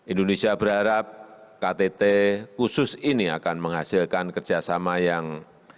indonesia berharap ktt khusus ini akan menghasilkan kerjasama yang